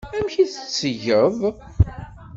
Amek ay t-tettgeḍ?